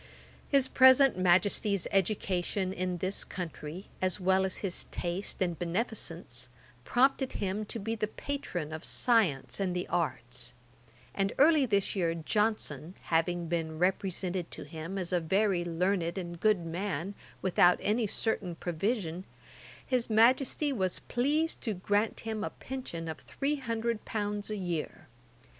His present Majesty's education in this country, as well as his taste and beneficence, prompted him to be the patron of science and the arts; and early this year Johnson, having been represented to him as a very learned and good man, without any certain provision, his Majesty was pleased to grant him a pension of three hundred pounds a year.